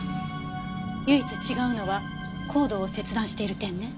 唯一違うのはコードを切断している点ね。